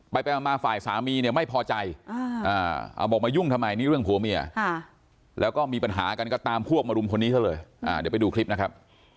ไปมาฝ่ายสามีเนี่ยไม่พอใจเอาบอกมายุ่งทำไมนี่เรื่องผัวเมียแล้วก็มีปัญหากันก็ตามพวกมารุมคนนี้ซะเลยเดี๋ยวไปดูคลิปนะครับ